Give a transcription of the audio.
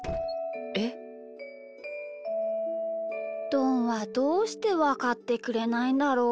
どんはどうしてわかってくれないんだろう？